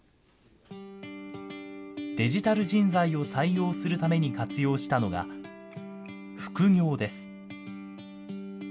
デジタル人材を採用するために活用したのが、副業です。